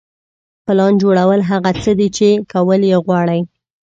پلان جوړول هغه څه دي چې کول یې غواړئ.